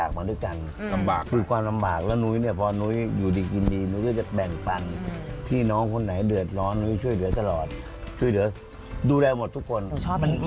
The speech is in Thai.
ก็จะเห็นนุ๊ยต้องเป็นเด็กเหมือนกัน